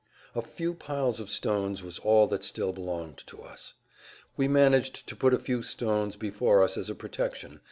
A few piles of stones was all that still belonged to us. We managed to put a few stones before us as a protection.